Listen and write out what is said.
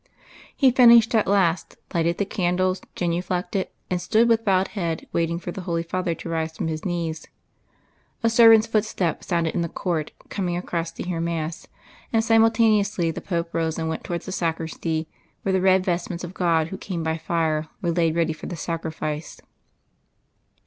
He finished at last, lighted the candles, genuflected, and stood with bowed head waiting for the Holy Father to rise from His knees. A servant's footstep sounded in the court, coming across to hear mass, and simultaneously the Pope rose and went towards the sacristy, where the red vestments of God who came by fire were laid ready for the Sacrifice.